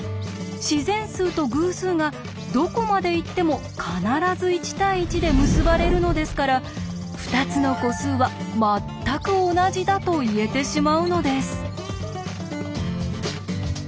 自然数と偶数がどこまでいっても必ず１対１で結ばれるのですから２つの個数は「まったく同じだ」と言えてしまうのです。